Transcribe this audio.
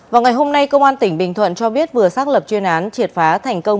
vào ngày hôm nay công an tỉnh bình thuận cho biết vừa xác lập chuyên án triệt phá thành công